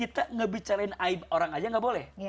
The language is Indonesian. kita ngebicarain aib orang aja gak boleh